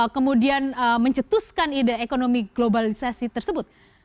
kemudian mencetuskan ide ekonomi globalisasi tersebut